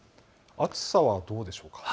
暑さはどうでしょう。